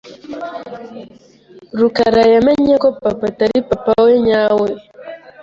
rukarayamenye ko papa atari papa we nyawe.